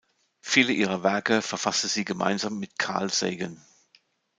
Viele ihrer Werke verfasste sie gemeinsam mit Carl Sagan.